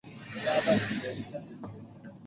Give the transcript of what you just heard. mkuu ilikuwa na haki ya kumwondoa Khalifa